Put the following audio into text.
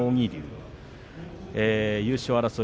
優勝争い